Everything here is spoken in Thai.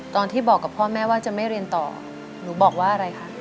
ตอนที่บอกกับพ่อแม่ว่าจะไม่เรียนต่อหนูบอกว่าอะไรคะ